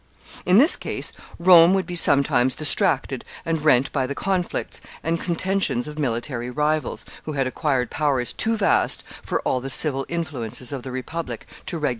In this case, Rome would be sometimes distracted and rent by the conflicts and contentions of military rivals, who had acquired powers too vast for all the civil influences of the Republic to regulate or control.